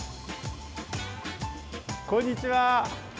こんにちは。